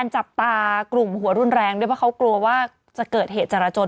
จับตากลุ่มหัวรุนแรงด้วยเพราะเขากลัวว่าจะเกิดเหตุจราจน